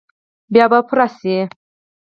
بیا به پوره شي ؟